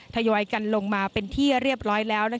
ทยอยกันลงมาเป็นที่เรียบร้อยแล้ว